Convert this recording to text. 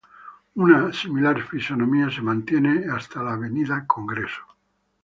Una similar fisonomía se mantiene hasta la Avenida Congreso.